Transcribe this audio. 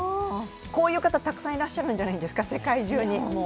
こういう方、たくさんいらっしゃるんじゃないですか、世界中に。